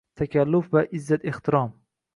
Takalluf va izzat-ehtirom